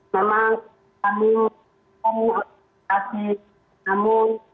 memang kami menguasai namun